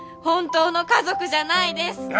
本当の家族じゃないです。